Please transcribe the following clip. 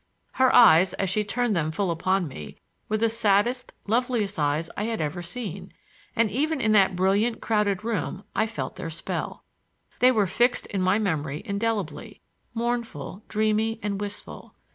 Her eyes, as she turned them full upon me, were the saddest, loveliest eyes I had ever seen, and even in that brilliant, crowded room I felt their spell. They were fixed in my memory indelibly,—mournful, dreamy and wistful.